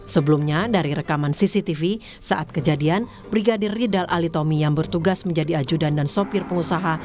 sebelumnya dari rekaman cctv saat kejadian brigadir ridal alitomi yang bertugas menjadi ajudan dan sopir pengusaha